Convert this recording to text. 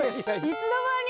いつの間に？